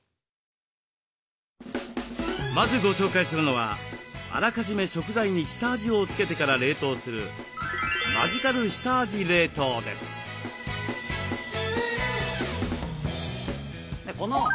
まずご紹介するのはあらかじめ食材に下味をつけてから冷凍する「マジカル下味冷凍」です。